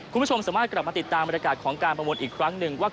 คุณผู้ชมสามารถกลับมาติดตามบรรยากาศของการประมวลอีกครั้งหนึ่งว่า